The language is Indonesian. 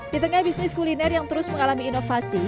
di tengah bisnis kuliner yang terus mengalami inovasi